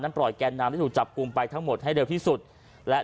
ปล่อยแกนนำที่ถูกจับกลุ่มไปทั้งหมดให้เร็วที่สุดและ